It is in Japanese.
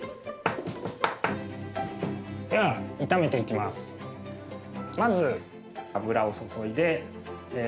では、炒めていきます。